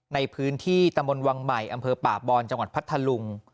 ในพื้นที่ตะมนต์วังใหม่อำเภอป่าบอนจังหวัดพัทธลุง